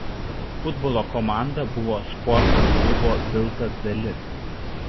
Futbolo komanda buvo sporto klubo „Vilkas“ dalis.